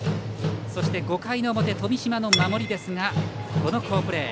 そして、５回の表富島の守りですがこの好プレー。